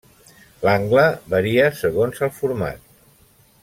L'angle varia segons el format.